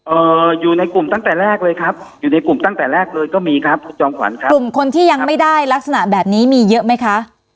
เอ่ออยู่ในกลุ่มตั้งแต่แรกเลยครับอยู่ในกลุ่มตั้งแต่แรกเลยก็มีครับคุณจอมขวัญครับกลุ่มคนที่ยังไม่ได้ลักษณะแบบนี้มีเยอะไหมคะ